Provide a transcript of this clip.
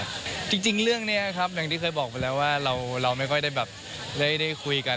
จริงเรื่องนี้ครับอย่างที่เคยบอกไปแล้วว่าเราไม่ค่อยได้แบบได้คุยกัน